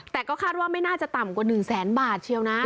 แต่ก็คาดว่าไม่น่าจะต่ำกว่า๑แสนบาทเชียวนะ